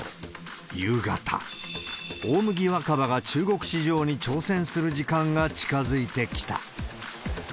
夕方、大麦若葉が中国市場に挑戦する時間が近づいてきた。